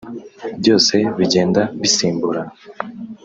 byose bigenda bisimburana